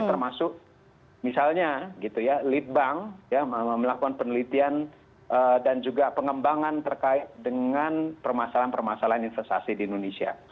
termasuk misalnya gitu ya lead bank melakukan penelitian dan juga pengembangan terkait dengan permasalahan permasalahan investasi di indonesia